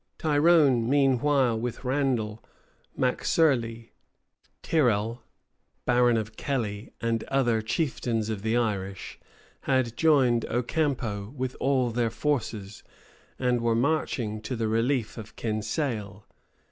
Tyrone, meanwhile, with Randal, Mac Surley, Tirel, baron of Kelley, and other chieftains of the Irish, had joined Ocampo with all their forces, and were marching to the relief of Kinsale.